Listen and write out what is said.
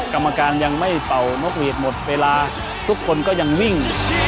กรรมการยังไม่เป่านกหวีดหมดเวลาทุกคนก็ยังวิ่ง